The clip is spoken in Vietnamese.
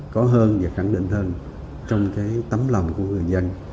có hơn và khẳng định hơn trong cái tấm lòng của người dân